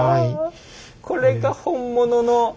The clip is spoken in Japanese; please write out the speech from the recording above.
これが本物の。